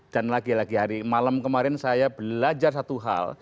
lagi lagi hari malam kemarin saya belajar satu hal